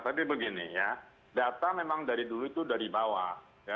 tapi begini ya data memang dari dulu itu dari bawah